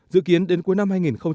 dự kiến đến cuối năm hai nghìn hai mươi